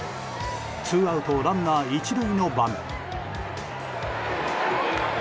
ツーアウトランナー１塁の場面。